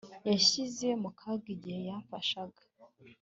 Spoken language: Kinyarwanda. Yashyize mu kaga igihe yamfashaga